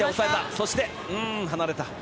そして離れた。